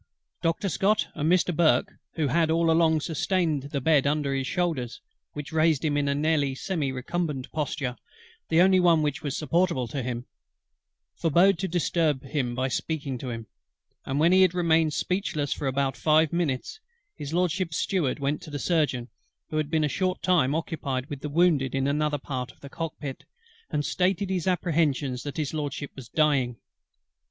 Doctor SCOTT and Mr. BURKE, who had all along sustained the bed under his shoulders (which raised him in nearly a semi recumbent posture, the only one that was supportable to him), forbore to disturb him by speaking to him; and when he had remained speechless about five minutes, HIS LORDSHIP'S Steward went to the Surgeon, who had been a short time occupied with the wounded in another part of the cockpit, and stated his apprehensions that HIS LORDSHIP was dying.